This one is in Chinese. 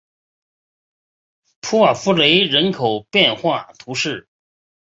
普瓦夫雷人口变化图示